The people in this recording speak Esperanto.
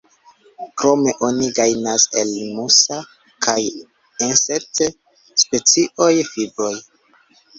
Krome oni gajnas el "Musa"- kaj "Ensete"-specioj fibrojn.